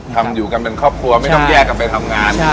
ทำอยู่กันเป็นครอบครัวไม่ต้องแยกกันไปทำงาน